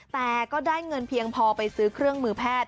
แต่ก็ได้เงินเพียงพอไปซื้อเครื่องมือแพทย์